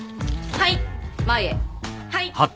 はい。